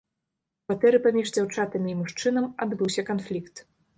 У кватэры паміж дзяўчатамі і мужчынам адбыўся канфлікт.